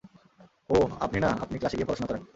ওই, আপনি না, আপনি ক্লাসে গিয়ে পড়াশোনা করেন।